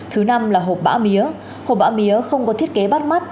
thứ năm là hộp bã mía hộp bã mía không có thiết kế bắt mắt